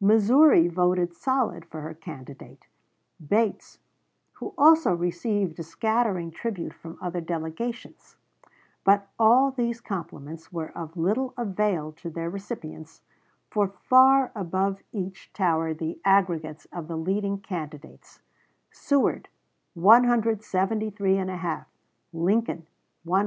Missouri voted solid for her candidate, Bates, who also received a scattering tribute from other delegations. But all these compliments were of little avail to their recipients, for far above each towered the aggregates of the leading candidates: Seward, 173 1/2; Lincoln, 102.